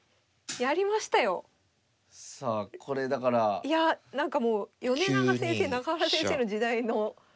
いや何かもう米長先生中原先生の時代の。